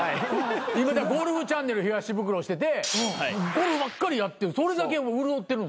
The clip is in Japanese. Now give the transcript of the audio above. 今ゴルフチャンネル東ブクロしててゴルフばっかりやってる。